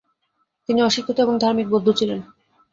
তিনি অশিক্ষিত এবং ধার্মিক বৌদ্ধ ছিলেন।